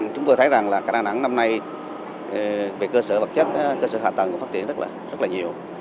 chúng tôi thấy rằng là cả đà nẵng năm nay về cơ sở vật chất cơ sở hạ tầng cũng phát triển rất là nhiều